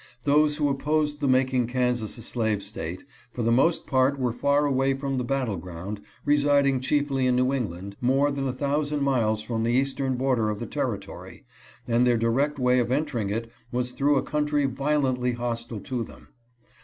Those who opposed the making Kansas a slave State, for the most part were far away from the battle ground, residing chiefly in New England, more than a thousand miles from the eastern border of the Territory, and their direct way of entering it was through a country violently hostile to them.